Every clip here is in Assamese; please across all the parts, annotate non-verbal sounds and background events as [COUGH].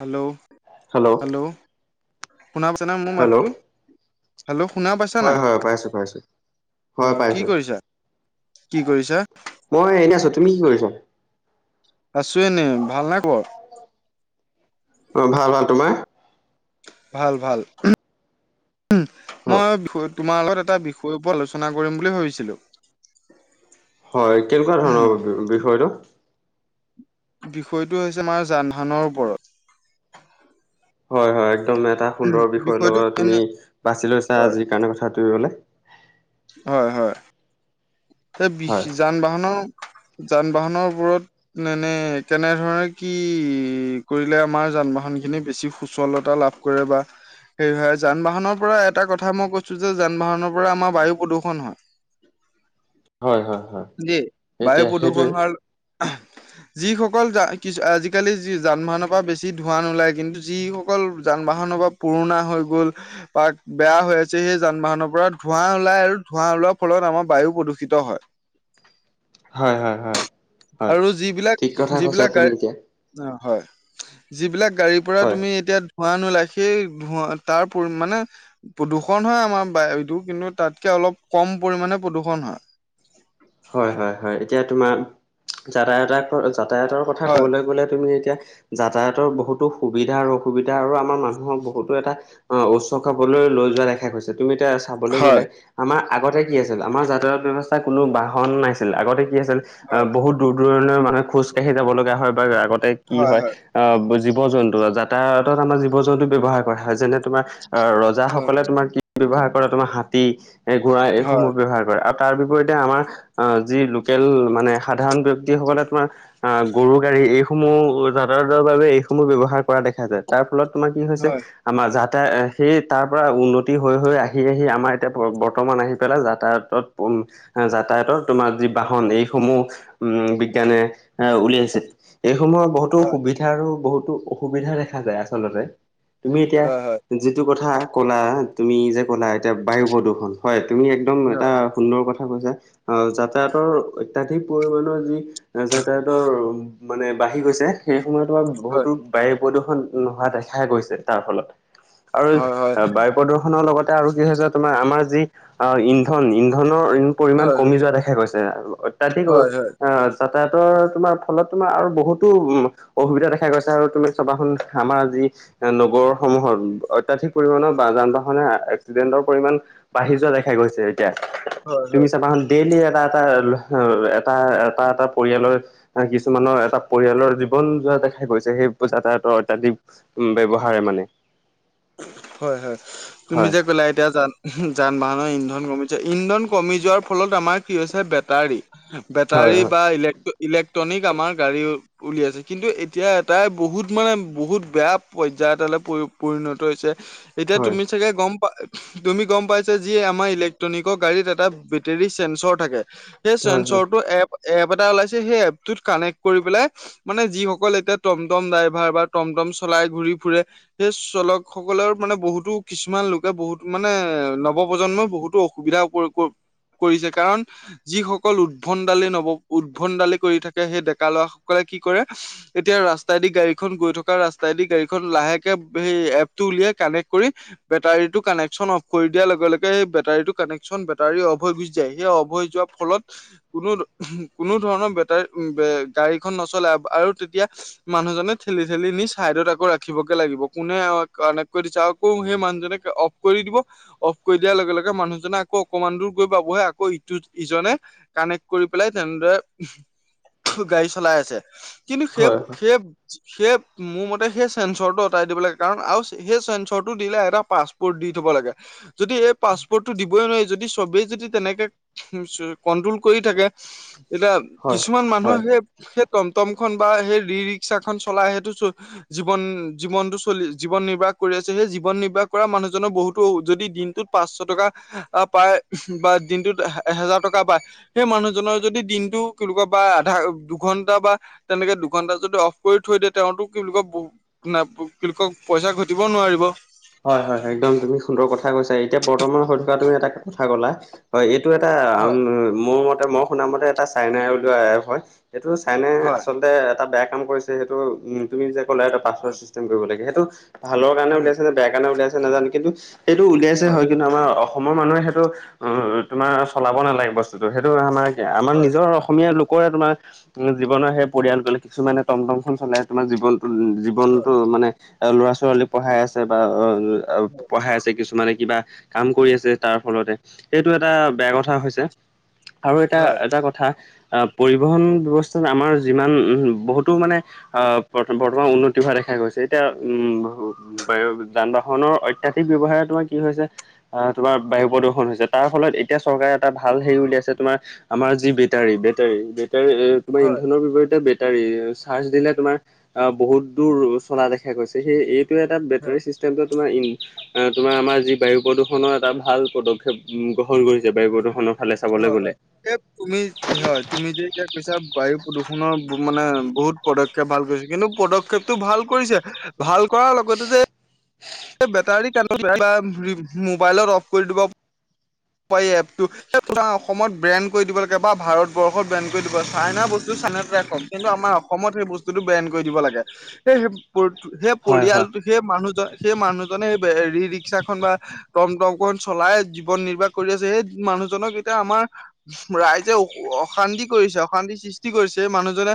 হেল্ল' হেল্ল' শুনা পাইছানে মোৰ হেল্ল' মাতটো? হেল্ল' শুনা পাইছা হয় নাই? হয় পাইছো পাইছো অ হয় কি পাইছো কৰিছা? কি কৰিছা? মই এনে আছো। তুমি কি কৰিছা? আছো এনে। ভাল না খবৰ। অ', ভাল ভাল তোমাৰ। ভাল ভাল, উম্ হয় মই বিষ তোমাৰ লগত এটা বিষয়ৰ ওপৰত আলোচনা কৰিম বুলি ভাবিছিলোঁ। হয়, কেনেকুৱা ধৰণৰ বিষয়টো। বিষয়টো হৈছে আমাৰ যানবাহানৰ ওপৰত। হয় হয়, একদম এটা সুন্দৰ বিষয়ৰ বিষয়টো লগত এনে তুমি বাছি লৈছা আজিৰ কাৰণে কথাটোৰিবলৈ। হয় হয়। হয় সেই যান বাহনৰ, যান বাহনৰ ওপৰত। মানে কেনেধৰণে কি কৰিলে আমাৰ যান বাহন খিনি বেছি সুচলতা লাভ কৰে বা। হেৰি হয়, যান বাহনৰ পৰা এটা কথা মই কৈছোঁ যে যান বাহনৰ পৰা আমাৰ বায়ু প্ৰদূষণ হয়। হয় হয় হয় যে বায়ু এতিয়া প্ৰদূৰষণ সেইটোৱে হোৱাৰ যিসকল যা কিছু আজিকালি যান বাহনৰ পৰা বেছি ধোঁৱা নোলায় কিন্তু যিসকল যান বাহনৰ পৰা পুৰণা হৈ গ'ল। পাক বেয়া হৈ আছে, সেই যান বাহনৰ পৰা ধোঁৱা ওলাই আৰু ধোঁৱা ওলোৱাৰ ফলত আমাৰ বায়ু। প্ৰদূষিত হয়। হয় হয় হয় হয় আৰু যিবিলাক ঠিক কথা কৈছা যিবিলাক। তুমি এতিয়া অ' হয়, যিবিলাক গাড়ীৰ পৰা হয় তুমি এতিয়া ধোৱা নোলাই। সেই ধোঁৱা তাৰ পৰিমানে প্ৰদূষণ হয়, আমাৰ বায়ুটো কিন্তু তাতকে অলপ কম পৰিমানে প্ৰদূষণ হয়। হয় হয় হয়, এতিয়া তোমাৰ যাতায়তৰ যাতায়তৰ কথা হয় কবলৈ গ'লে, তুমি এতিয়া যাতায়াতৰ বহুতো সুবিধা আৰু অসুবিধা আৰু আমাৰ মানুহৰ বহুতো এটা অ', উচ্ছ খাপলৈ লৈ যোৱা দেখা গৈছেঁ, তুমি এতিয়া চাবলৈ হয় গ'লে, আমাৰ আগতে কি আছিল, আমাৰ যাতায়াত ব্যৱস্থা কোনো বাহন নাছিল আগতে কি আছিল। হয় আহ্ বহুত দূৰ দূৰণি মানুহে খোজ কাঢ়ি যাব লগা হয় বা আগতে কি হয়। অ', জীৱ জন্তু যাতায়তত আমাৰ জীৱ জন্তু ব্যৱহাৰ কৰা হয় যেনে তোমাৰ আহ ৰ ৰজা হয় সকলে তোমাৰ কি ব্যৱহাৰ কৰে, তোমাৰ হাতী ঘোঁৰা এইসমূহ হয় ব্যৱহাৰ কৰে। তাৰ বিপৰীতে আমাৰ যি লোকেল মানে সাধাৰণ ব্যক্তিসকলে তোমাৰ, আহ্ গৰু গাড়ী এইসমূহ যাতায়তৰ বাবে এইসমূহ ব্যৱহাৰ কৰা দেখা যায়। তাৰফলত তোমাৰ কি হৈছে। হয় আমাৰ যাতায় সেই তাৰপৰা উন্নতি হৈ হৈ আহি আহি আমাৰ এতিয়া বৰ্তমান আহি পেলাই যাতায়ত। উম্, যাতায়তত। তোমাৰ যি বাহন, এইসমূহ উম্, বিজ্ঞানে উলিয়াইছিল, এইসমূহৰ বহুত বহুতো হয় সুবিধা আৰু বহুতো অসুবিধা দেখা যায় আচলতে, তুমি এতিয়া হয় হয় যিটো কথা ক'লা, তুমি যে ক'লা এতিয়া বায়ু প্ৰদূষণ হয় তুমি এক একদম হয়। এটা সুন্দৰ কথা কৈছা, আহ্ যাতায়াতৰ অত্যাধিক পৰিমাণৰ যি। যাতায়তৰ মানে বাঢ়ি গৈছে সেই সময়ত তোমাৰ হয়, বহুতো বায়ু প্ৰদূষণ নোহোৱা দেখা গৈছে তাৰ ফলত আৰু হয়, হয়, বায়ু, প্ৰদৰ্শনৰ লগতে আৰু কি হৈছে, তোমাৰ আমাৰ যি ইন্ধন ইন্ধনৰ পৰিমাণ হয়, কমি যোৱা দেখা গৈছে, অত্যাধিক হয়, হয়, আহ্ যাতায়াতৰ তোমাৰ ফলত তোমাৰ আৰু বহুতো অসুবিধা দেখা গৈছে আৰু তুমি চবাচোন আমাৰ যি নগৰসমূহত অত্যাধিক পৰিমাণৰ বা যান বাহনে এক্সিডেণ্টৰ পৰিমাণ, বাহি যোৱা দেখা গৈছে, এতিয়া হয়, হয়। তুমি চাবা ডেইলি এটা এটা, এটা এটা এটা পৰিয়ালৰ, কিছুমানৰ এটা পৰিয়ালৰ জীৱন যোৱা দেখা গৈছে, সেই যাতায়তৰ অত্যাধিক উম্ ব্যৱহাৰে মানে হয় হয়, তুমি হয়। যে ক'লা এতিয়া যান যান বাহনৰ ইন্ধন কমি যায়, ইন্ধন কমি যোৱাৰ ফলত আমাৰ কি হৈছে বেটাৰী। হয় বেটাৰী হয় বা ইলেক-ইলেক্ট্ৰনিক আমাৰ গাড়ী উলিয়াইছে কিন্তু এতিয়া এটাই বহুত মানে বহুত বেয়া পৰ্যায় এটালৈ পৰি-পৰিণত ত হৈছে। এতিয়া হয় তুমি চাগে গম পা তুমি গম পাইছাই যি আমাৰ ইলেক্ট্ৰনিক গাড়ীত এটা বেটেৰী চেঞ্চৰ থাকে। সেই হয় চেঞ্চৰটো এপ এপ এটা ওলাইছে, সেই এপটোত কানেক্ট কৰি পেলাই মানে যিসকল এতিয়া টমটম ড্ৰাইভাৰ বা টমটম চলাই ঘূৰি ফুৰে সেই চলক সকলেৰো মানে বহুতো কিছুমান লোকে বহুত মানে নৱপ্ৰজন্মই বহুতো অসুবিধা প্ৰ কৰিছে কাৰণ যিসকল উদ্ভন্ডালি নৱ উদ্ভন্ডালি কৰি থাকে সেই ডেকা ল'ৰাসকলে কি কৰে এতিয়া ৰাস্তাইদি গাড়ীখন গৈ থকা ৰাস্তাইদি গাড়ীখন লাহেকে সেই এপ টো উলিয়াই কানেক্ট কৰি বেটাৰীটো কানেকশচন অফ কৰি দিয়াৰ লগে লগে সেই বটাৰীটো কানেকশ্বন বেটাৰী অফ হৈ গুচি যায়, সেই অফ হৈ যোৱা ফলত কোনো কোনো ধৰণৰ বেটাৰী উ, বে-গাড়ীখন নচলে আৰু তেতিয়া মানুহজনে ঠেলি ঠেলি নি ছাইডত আকৌ ৰাখিবগে লাগিব, কোনে আৰু কানেক্ট কৰি দিছ আকৌ সেই মানুহজনে অফ কৰি দিব অফ কৰি দিয়াৰ লগে লগে মানুহজনে আকৌ অকমান দূৰ গৈ পাবহে আকৌ ইটো ইজনে কানেক্ট কৰি পেলাই তেনেদৰে গাড়ী চলাই আছে। কিন্তু সেই হয় হয় সেই সেই মোৰ মতে সেই চেঞ্চৰটো আঁতৰাই দিব লাগে কাৰণ আৰু সেই চেঞ্চৰটো দিলে এটা পাছপোৰ্ট দি থ'ব লাগে, যদি এই পাছপৰ্টটো দিবই নোৱাৰি যদি চবেই যদি তেনেকে কণ্ট্ৰল কৰি থাকে তেতিয়া হয় কিছুমান হয়। মানুহৰ সেই সেইট টমটমখন বা সেই ই ৰিক্সাখন চলাই সেইটো জীৱন জীৱনটো চলি জীৱন নি বাহ কৰি আছে সেই জীৱন নিৰ্বাহ কৰা মানুহজনৰ বহুতো যদি দিনটোত পাঁচশ টকা আ, পায় বা দিনটোত এহেজাৰ টকা পায় সেই মানুহজনৰ যদি দিনটো কেনেকুৱা বা আধা দুঘণ্টা বা তেনেকে দুঘন্টা যদি অফ কৰি থৈ দিয়ে তেওঁতো তেওঁলোকৰ ব কোকৰ পইচা ঘ দিব নোৱাৰিব। হয় হয় হয় একদম তুমি সুন্দৰ কথা কৈছা। এতিয়া বৰ্তমান হৈ থকা তুমি এটা কথা ক'লা হয় এইটো এটা আ, হয় মোৰ মতে মই শুনা মতে এটা চাইনাই উলিওৱা এপ হয়। এইটো চাইনাই হয় আচলতে এটা বেয়া কাম কৰিছে সেইটো, উম। তুমি যে কলা হেইটো পাছপৰ্ট হয় চিষ্টেম কৰিব লাগে সেইটো ভালৰ কাৰণে হয় ওলাইছে নে বেয়া কাৰণে উলিয়াইছে নাজানো কিন্তু হেইটো উলিয়াইছে হয় কিন্তু আমাৰ অ অসমৰ মানুহে সেইটো উ, তোমাৰ চলাব নালাগে বস্তুটো, সেইটো আমাৰ আমাৰ নিজৰ অসমীয়া লোকৰে তোমাৰ মানে জীৱনৰ সেই পৰিয়াল গ'লে কিছুমানে টমটমখন চলাই তোমাৰ জীৱনটো হয় জীৱনটো মানে ল'ৰা ছোৱালী পঢ়াই আছে বা অ' পঢ়াই আছে কিছুমানে কিবা কাম কৰি আছে তাৰ ফলতে। সেইটো এটা বেয়া কথা হৈছে। আৰু এটা, হয় এটা কথা পৰিবহণ ব্যৱস্থাত আমাৰ যিমান বহুতো মানে আ, প্ৰথম প্ৰথমে উন্নতি হোৱা দেখা গৈছে, এতিয়া উম বা যান বাহনৰ অত্যাধিক ব্যৱহাৰে তোমাৰ কি হৈছে আ, তোমাৰ বায়ু প্ৰদূষণ হৈছে তাৰ ফলত এতিয়া চৰকাৰে এটা ভাল হেৰি উলিয়াইছে তোমাৰ আমাৰ যি বেটাৰী বেটাৰী বেটাৰী তোমাৰ হয় ইন্ধনৰ বিপৰীতে টাৰী চাৰ্জ দিলে তোমাৰ আ, বহুত দূৰ চলা দেখা গৈছে সেই এইটো এটা হয় বেটাৰী চিষ্টেমটো তোমাৰ ইন আ, তোমাৰ আমাৰ যি বায়ু প্ৰদূষণৰ এটা ভাল পদক্ষেপ উ, গ্ৰহণ কৰিছে বায়ু প্ৰদূষণ হয় হয়। এ, তুমি হয় তুমি যে এতিয়া কৈছা বায়ু প্ৰদূষণৰ মানে বহুত পদক্ষেপ ভাল কৰিছে কিন্তু পদক্ষেপটো ভাল কৰিছে, ভাল কৰাৰ লগতে যে বেটাৰী কানেক্ট, কিবা মোবাইলত অফ কৰি দিব। এই এপটো সেই পৰা অসমত ব্ৰেণ্ড কৰি দিব লাগে বা ভাৰতবৰ্ষত বেন কৰি দিব চাইনা বস্তু চাইনাতে ৰাখক। কিন্তু আমাৰ অসমত সেই বস্তুটো বেন কৰি দিব লাগে, এই সেই প-সেই হয় হয় পৰিয়ালটো সেই মানুহজন সেই মানুহজনে ই ৰিক্সা খন বা টমটম খন চলাই জীৱন নিৰ্বাহ কৰি আছে সেই মানুহজনক এতিয়া আমাৰ ৰাইজে অশান্তি কৰিছে অশান্তি সৃষ্টি কৰিছে মানুহজনে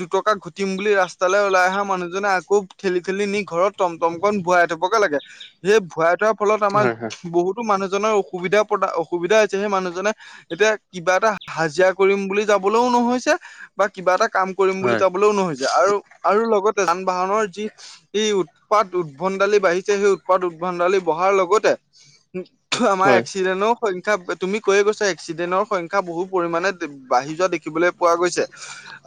দুটকা ঘটিম বুলি ৰাস্তালৈ ওলাই অহা মানুহজনে আকৌ ঠেলি ঠেলি নি ঘৰত টমটমখন ভৰাই থ'বগে লাগে, সেই ভোৰাই থোৱাৰ ফলত আমাৰ হয় হয় বহুতো মানুহজনৰ অসুবিধা [UNINTELLIGIBLE] অসুবিধা হৈছে সেই মানুহজনে এতিয়া কিবা এটা হাজিৰা কৰিম বুলি যাবলৈও নহৈছে বা কিবা এটা কাম কৰিম বুলি হয় যাবলৈও নহৈছে আৰু আৰু লগতে যান বাহনৰ যি যি উৎপাত উদ্ভণ্ডালি বাঢ়িছে সেই উৎপাত উদ্ভণ্ডালি বঢ়াৰ লগতে হয় [UNINTELLIGIBLE] এক্সিডেনৰ সংখ্যা তুমি কৈয়ে গৈছা এক্সিডেন্টৰ সংখ্যা বহু পৰিমাণে বাঢ়ি যোৱা দেখিবলৈ পোৱা গৈছে।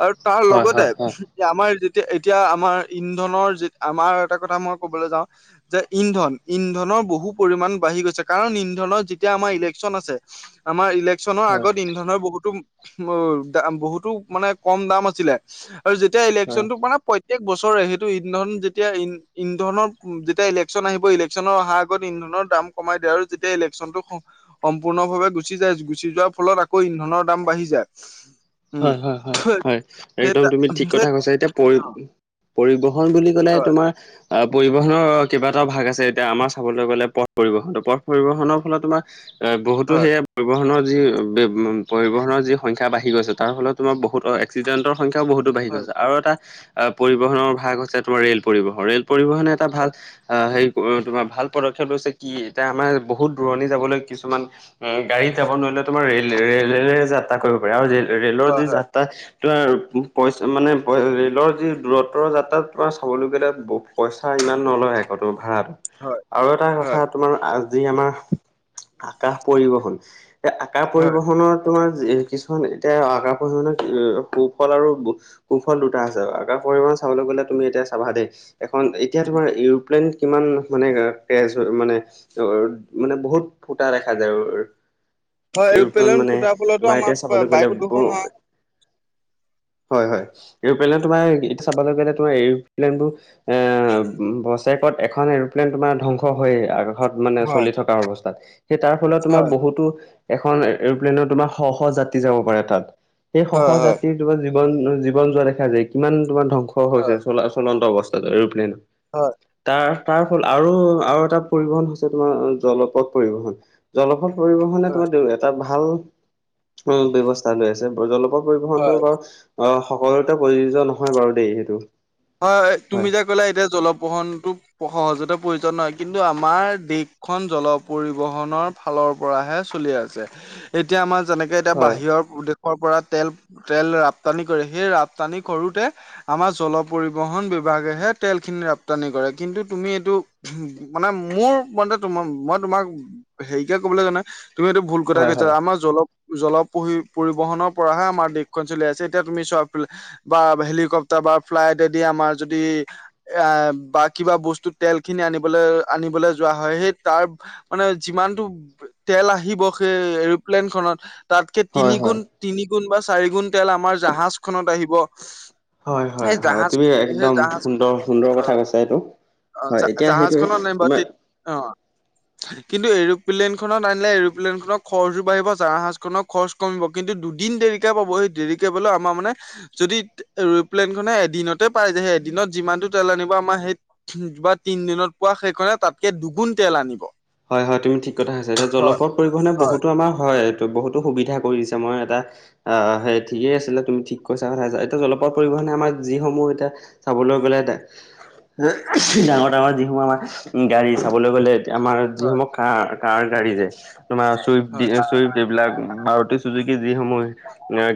আৰু তাৰ হয় লগতে হয় হয় হয় আমাৰ যেতিয়া এতিয়া আমাৰ ইন্ধনৰ যে আমাৰ এটা কথা মই ক'বলৈ যাওঁ। যে ইন্ধন ইন্ধনৰ বহু পৰিমাণ বাঢ়ি গৈছে কাৰণ ইন্ধনৰ যেতিয়া আমাৰ ইলেকশ্যন আছে, আমাৰ ইলেক্শ্যনৰ হয় আগত ইন্ধনৰ বহুতো [UNINTELLIGIBLE] দাম বহুতো মানে কম দাম আছিলে, আৰু যেতিয়া ইলেকশ্যনটো মানে প্ৰত্যেক বছৰে সেইটো ইন্ধন যেতিয়া ইন ইন্ধনৰ যেতিয়া ইলেকশ্যন আহিব ইলেকশ্যনৰ অহাৰ আগত ইন্ধনৰ দাম কমাই দিয়া হয় যেতিয়া ইলেকশ্যনটো স সম্পূৰ্ণভাৱে গুচি যায় গুচি যোৱাৰ ফলত আকৌ ইন্ধনৰ দাম বাঢ়ি যায়। উম হয় হয় হয় হয়, একদম তুমি ঠিক সেই কথা কৈছা এতিয়া পৰি হয়, পৰিবহন বুলি ক'লে হয়, তোমাৰ অ' পৰিবহনৰ কেইবাটাও ভাগ আছে এতিয়া আমাৰ চাবলৈ গ'লে পথ পৰিবহন পথ পৰিবহনৰ ফলত তোমাৰ এ বহুতো হয়, সেয়া পৰিবহনৰ যি বে পৰিবহনৰ যি সংখ্যা বাঢ়ি গৈছে। তাৰ ফলত তোমাৰ বহুত এক্সিডেণ্টৰ সংখ্যাও বহুতো বাঢ়ি হয়, গৈছে আৰু এটা অ' পৰিবহনৰ ভাগ হৈছে তোমাৰ ৰেল পৰিবহণ, ৰেল পৰিবহন এটা ভাল হয়, অ' সেই [UNINTELLIGIBLE] তোমাৰ ভাল পদক্ষেপ লৈছে কি এতিয়া আমাৰ বহুত দূৰণি যাবলৈ কিছুমান [UNINTELLIGIBLE] গাড়ীত যাব নোৱাৰিলে তোমাৰ ৰেল-ৰে- ৰেলেৰে যাত্ৰা কৰিব পাৰে আৰু ৰেলৰ হয়, যি হয়, যাত্ৰা তোমাৰ পইচা মানে ৰে'লৰ যি দূৰত্বৰ যাত্ৰাত তোমাৰ চাবলগীয়া তাত বহু পইচা ইমান নলয় আকৌ তোৰ ভাড়াত। আৰু এটা কথা হয়, তোমাৰ আজি আমাৰ, আকাশ পৰিবহন এই আকাশ হয়। পৰিবহণত তোমাৰ কিছুমান এতিয়া আকাশ পৰিবহণৰ সুফল আৰু কুফল দুটা আছে আকাশ পৰিবহণ চাবলৈ গ'লে তুমি এতিয়া চাবা দেই এখন এতিয়া তোমাৰ এৰোপ্লেন কিমান মানে কেজ হয় মানে [UNINTELLIGIBLE] মানে বহুত ফুটা দেখা যায় [UNINTELLIGIBLE] হয়, এৰোপ্লেন মানে ফুটাৰ ফলতো তোমাৰ আমাৰ এতিয়া চাবলৈ বায়ু গ'লে বহু [INAUDIBLE] হয় হয় এৰ'প্লেন তোমাৰ এতিয়া চাবলৈ গ'লে তোমাৰ এৰ'প্লেনবোৰ এ, বচেকত এখন এৰোপ্লেইন তোমাৰ ধ্বংস হয় আগত [UNINTELLIGIBLE] মানে হয়, চলি থকা অৱস্থাত, সেই তাৰ ফলত তোমাৰ হয়, বহুতো এখন এৰোপ্লেনৰ তোমাৰ শ শ যাত্ৰী যাব পাৰে তাত, সেই শ হয়, শ হয়, জাতিৰ তোমাৰ জীৱন জীৱন যোৱা দেখা যায় কিমান তোমাৰ ধ্বংস হয়, হৈছে চলা চলন্ত অৱস্থাত এৰোপ্লেইন। হয়। তাৰ তাৰ ফল আৰু আৰু এটা পৰিবহন হৈছে তোমাৰ জলপথ পৰিবহন। জলপথ পৰিবহনে হয়, তোমাৰ এটা ভাল, উম, ব্যৱ [UNINTELLIGIBLE] লৈ আছে, জলপথ পৰিবহনটো হয়। বাৰু অ' সকলোতে প্ৰযোজ্য নহয় বাৰু দেই সেইটো। হয় তুমি যে ক'লা এতিয়া জলপ্ৰসণটো সহজতে প্ৰয়োজন নহয় কিন্তু আমাৰ দেশখন জল পৰিবহনৰ ফালৰ পৰাহে চলি আছে, এতিয়া আমাৰ যেনেকে এতিয়া হয়, বাহিৰৰ ভূ দেশৰ পৰা তেল তেল ৰপ্তানি কৰে, সেই ৰপ্তানি কৰোতে আমাৰ জল পৰিবহন বিভাগেহে তেলখিনি ৰপ্তানি কৰে, কিন্তু, তুমি এইটো। মানে মোৰ ম তোম মই তোমাক হেৰিকে ক'বলৈ যোৱা নাই তুমি এইটো ভুল গোট হয়, গৈছে হয়। আমাৰ জলপ জলপহি পৰিবহনৰ পৰাহে আমাৰ দেশখন চলি আছে, এতিয়া তুমি চোৱা। বা হেলিকপ্তাৰ বা ফ্লাইটেদি আমাৰ যদি এ বা কিবা বস্তু তেল খিনি আনিবলৈ আনিবলৈ যোৱা হয়, সেই তাৰ মানে যিমানতটো তেল আহিব সেই এৰ'প্লেন খনত। তাতকে তিনি হয়, হয়, গুণ, তিনি গুণ বা চাৰি গুণ তেল আমাৰ জাহাজ খনত আহিব। হয়, সেই হয়, হয়, জাহাজ, তুমি সেই একদম জাহাজ সুন্দৰ সুন্দৰ কথা অ' কৈছা এইটো। হয়, অ' এতিয়া জাহাজ সেইটোৱে খনৰ নাই বা তোমাৰ তেতিয়া অ' কিন্তু, এৰ'প্লেনখনত আনিলে এৰোপ্লেন খনৰ খৰচো বাঢ়িব, জাহাজ খনৰ খৰচ কমিব। কিন্তু দুদিন দেৰিক পাবহি দেৰিকে পালেও আমাৰ মানে যদি প্লেন খনে এদিনতে পাই যে সেই এদিনত যিমানতটো তেল আনিব আমাৰ সেই বা তিন দিনত পোৱা সেইখনে তাতকে দুগুণ তেল আনিব। হয়, হয়, তুমি ঠিক কথাকৈছা, এতিয়া হয় জলপথ পৰিবহনে হয় বহুতো আমাৰ হয়। ত বহুতো সুবিধা কৰি দিছে মই এটা আহ সেই ঠিকেই আছিলে, তুমি ঠিক কৈছা, কথা এতিয়া জলপথ পৰিবহনে আমাৰ যিসমূহ এতিয়া চাবলৈ গ'লে দে ডাঙৰ ডাঙৰ যিসমূহ আমাৰ গাড়ী চাবলৈ গ'লে আমাৰ। হয় যিসমূহ কাৰ কাৰ গাড়ী যে তোমাৰ চুইফ্ট, হয় চুইফ্ট সেইবিলাক মাৰুতি চুজুকি যিসমূহ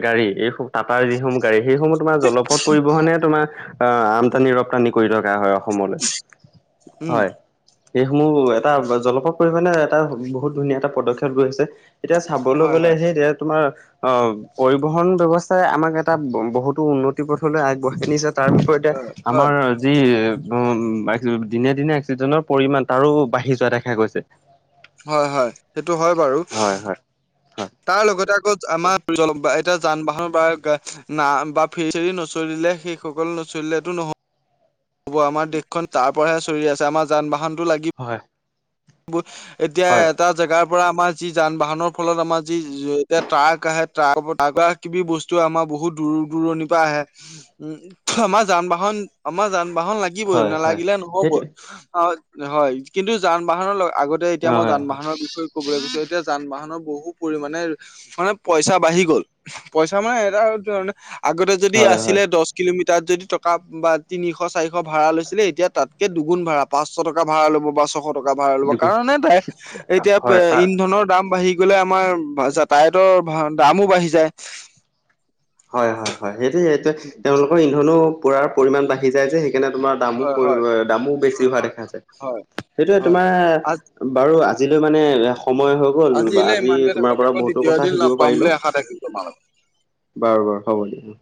গাড়ী এই টাটাৰ যিসমূহ গাড়ী সেইসমূহ তোমাৰ জলপথ পৰিবহনে তোমাৰ অ' আমদানি ৰপ্তানি কৰি থকা হয়। অসমলৈ উম হয়, সেইসমূহ এটা জল পৰিবহনে এটা বহুত ধুনীয়া এটা পদক্ষেপ লৈছে, এতিয়া চাবলৈ হয় গ'লে হয় সেই এতিয়া তোমাৰ। অ' পৰিবহন ব্যৱস্থাই আমাক এটা বহুতো উন্নতি পথলৈ আগবঢ়াই নিছে। তাৰ বিপৰীতে হয় হয় আমাৰ। যি দিনে দিনে অক্সিজেনৰ পৰিমাণ তাৰো বাঢ়ি যোৱা দেখা গৈছে। হয়, হয়, সেইটো হয় বাৰু। হয় হয় তাৰ লগতে আকৌ আমাৰ এতিয়া যান বাহন বা না বা ফে ফেৰী নচলিলে সেই। সকল নচলিলেতো নহ হ'ব আমাৰ দেশখন তাৰ পৰাহে চলি আছে, আমাৰ যান বাহনতটো লাগিব। হয়। এতিয়া হয় হয় এটা জেগাৰ পৰা আমাৰ। যি যান বাহনৰ ফলত আমাৰ যি এতিয়া ট্ৰাক আহে ট্ৰাক ট্ৰাক কিবা কিবি বস্তু। আমাৰ বহুত দূৰ দূৰণিৰ পৰা আহে। উম, ত আমাৰ যান বাহন আমাৰ যান বাহন লাগি বই হয় হয় নালাগিলে নহ'ব সেইটো অ' হয় কিন্তু যান বাহনৰ আগতে এতিয়া হয় মই হয় যান বাহনৰ বিষয়ে। ক'বলৈ গৈছো, এতিয়া যান বাহনৰ বহু পৰিমানে মানে পইচা বাঢ়ি গ'ল। পইচা মানে এটা ধে আগতে যদি হয় আছিলে দহ কিলোমিটাৰত যদি টকা বা তিনিশ চাৰিশ ভাড়া লৈছিলে, এতিয়া তাতকে দুগুণ ভাড়া। পাঁচশ টকা ভাড়া ল'ব বা ছশ টকা ভাড়া ল'ব। হয় কাৰণ এটাই এতিয়া হয় ত ইন্ধনৰ দাম বাঢ়িল। গ'লে আমাৰ যাতায়তৰ দামো বাঢ়ি যায়। হয়, হয়, হয়, সেইটো সেইটোৱে তেওঁলোকৰ ইন্ধনো পুৰাৰ পৰিমাণ বাঢ়ি যায়, যে সেইকাৰণে তোমাৰ দামো হয়, হয়, পৰি দামো বেছি হোৱা দেখা যায়। হয়, সেইটোৱে হয়, তোমাৰ আজি বাৰু আজিলৈ মানে সময় হৈ গ'ল বা ইলে আজি ইমানতে তোমাৰ পৰা বহুতো কথা শিকিব পাৰিলোঁ। অহ'। বাৰু বাৰু হ'ব দিয়া।